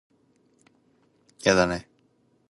いやだね